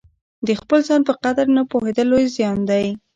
د خپل ځان په قدر نه پوهېدل لوی زیان دی.